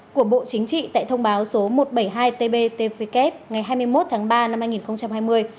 của bộ chính trị tại thông báo số một trăm bảy mươi hai tbtvk ngày hai mươi một tháng ba năm hai nghìn hai mươi